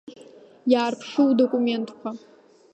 Иаарԥшы удокументқәа.